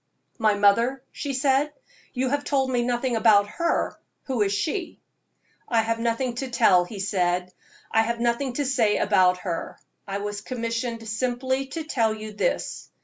"My mother?" she said "you have told me nothing about her. Who is she?" "I have nothing to tell," he said; "I have nothing to say about her. I was commissioned simply to tell you this.